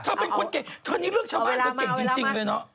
เธอเป็นคนเก่งเธอนี่เรื่องชาวบ้านเธอเก่งจริงเลยเนอะ